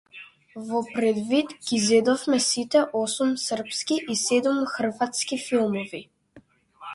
Во предвид ги зедовме сите осум српски и седум хрватски филмови.